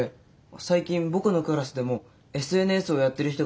最近僕のクラスでもＳＮＳをやってる人が増えたんですよ。